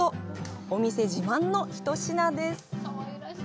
お店自慢の一品です。